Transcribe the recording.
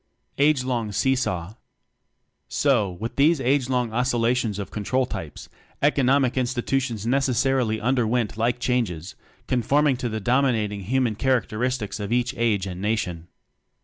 Age Long See Saw. So, with these age long oscilla tions of control types, economic in stitutions necessarily underwent like changes, conforming to _the dom inating human characteristics of each Age and Nation.